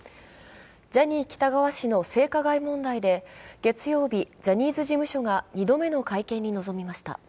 ジャニー喜多川氏の性加害問題で月曜日、ジャニーズ事務所が２度目の会見に臨みました。